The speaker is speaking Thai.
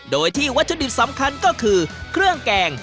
โดยที่วัตถุดิบสำคัญก็คือเครื่องแกง